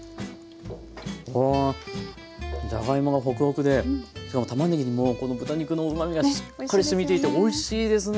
わあじゃがいもがホクホクでしかもたまねぎにもうこの豚肉のうまみがしっかりしみていておいしいですね。